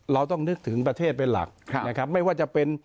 เราต้องนึกถึงประเทศเป็นหลักนะครับไม่ว่าจะเป็น